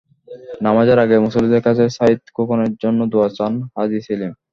নামাজের আগে মুসল্লিদের কাছে সাঈদ খোকনের জন্য দোয়া চান হাজি সেলিম।